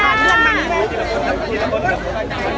ยกมาเด็กหน่อย